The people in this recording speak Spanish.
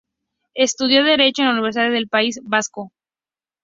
Estudió Derecho en la Universidad del País Vasco.